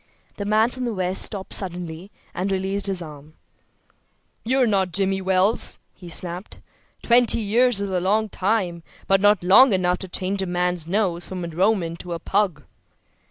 The man from the West stopped suddenly and released his arm. "You're not Jimmy Wells," he snapped. "Twenty years is a long time, but not long enough to change a man's nose from a Roman to a pug."